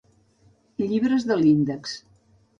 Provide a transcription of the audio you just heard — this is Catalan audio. Llibres de l’Índex.